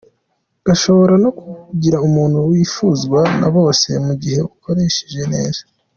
Gashobora no kukugira umuntu wifuzwa na bose mu gihe ugakoresheje neza.